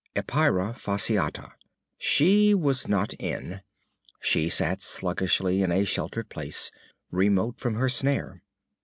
Epeira fasciata. She was not in it. She sat sluggishly in a sheltered place, remote from her snare.